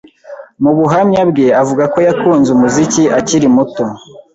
Mu buhamya bwe, avuga ko yakunze umuziki akiri muto